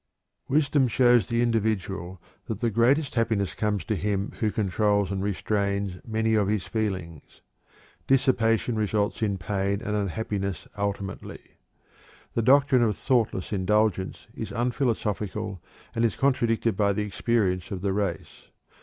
Wisdom shows the individual that the greatest happiness comes to him who controls and restrains many of his feelings. Dissipation results in pain and unhappiness ultimately. The doctrine of thoughtless indulgence is unphilosophical and is contradicted by the experience of the race.